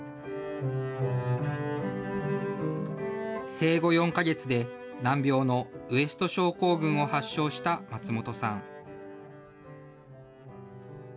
生後４か月で難病のウエスト症候群を発症した松本さん。